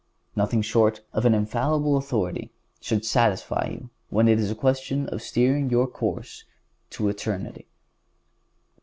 Nothing short of an infallible authority should satisfy you when it is a question of steering your course to eternity.